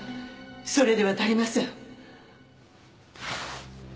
それでは足りません